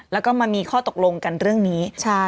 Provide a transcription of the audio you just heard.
แล้วก็มามีข้อตกลงกันเรื่องนี้